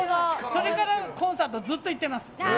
それからコンサートずっと行ってます。